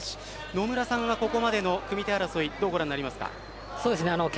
野村さんはここまでの組み手争いどうご覧になりますか？